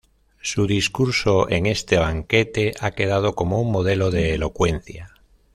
Su discurso en este banquete ha quedado como un modelo de elocuencia.